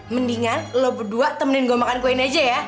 mendingan lo berdua temenin gue makan kue ini aja ya